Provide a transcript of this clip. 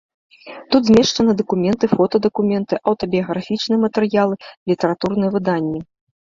Тут змешчаны дакументы, фотадакументы, аўтабіяграфічныя матэрыялы, літаратурныя выданні.